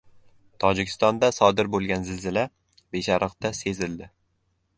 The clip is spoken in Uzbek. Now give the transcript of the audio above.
Tojikistonda sodir bo‘lgan zilzila Beshariqda sezildi